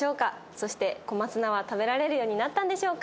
そして小松菜は食べられるようになったんでしょうか？